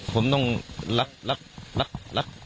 ผมต้องรัก